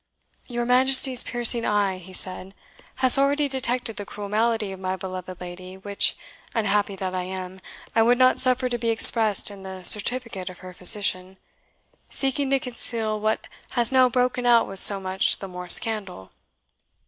"Your Majesty's piercing eye," he said, "has already detected the cruel malady of my beloved lady, which, unhappy that I am, I would not suffer to be expressed in the certificate of her physician, seeking to conceal what has now broken out with so much the more scandal."